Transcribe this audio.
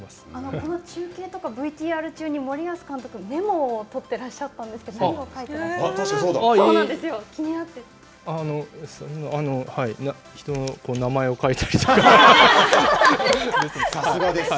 この中継とかＶＴＲ中に森保監督、メモを取ってらっしゃったんですけど何を書いてらしたんですか。